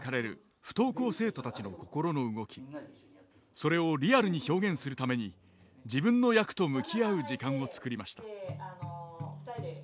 それをリアルに表現するために自分の役と向き合う時間を作りました。